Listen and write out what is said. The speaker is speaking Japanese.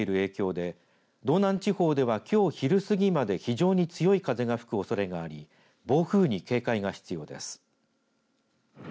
北海道付近に低気圧が近づいている影響で道南地方では、きょう昼過ぎまで非常に強い風が吹くおそれがあり暴風に警戒が必要です。